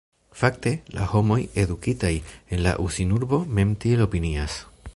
Fakte, la homoj, edukitaj en la Uzinurbo, mem tiel opinias.